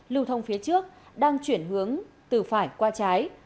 lưu thông phía trước đang chuyển hướng từ phải qua trái